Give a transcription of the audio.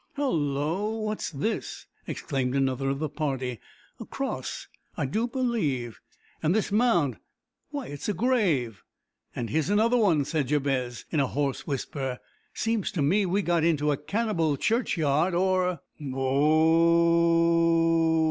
"Hallo! what's this?" exclaimed another of the party. "A cross, I do believe! and this mound why, it's a grave!" "And here's another one!" said Jabez, in a hoarse whisper. "Seems to me we've got into a cannibal churchyard, or " "Bo o o o oo!"